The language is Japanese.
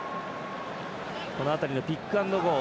この辺りのピックアンドゴー。